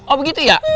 oh begitu ya